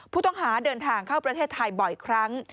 ผู้ต้องหาเดินทางเข้าประเทศไทยบ่อยครั้ง